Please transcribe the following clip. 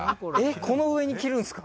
この上に着るんすか？